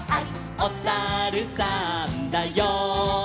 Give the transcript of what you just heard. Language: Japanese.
「おさるさんだよ」